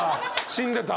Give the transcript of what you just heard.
死んでた。